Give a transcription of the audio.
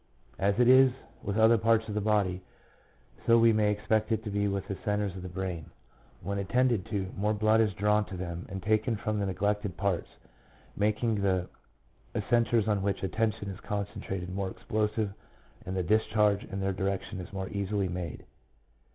As it is with other parts of the body, so we may expect it to be with the centres of the brain ; when attended to, more blood is drawn to them and taken from the neglected parts, making the contres on which attention is concentrated more explosive, and the discharge in their direction is more easily made.